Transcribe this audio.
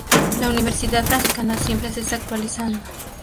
La Universidad Franciscana siempre se está actualizando.